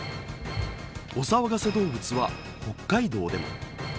お騒がせ動物は北海道でも。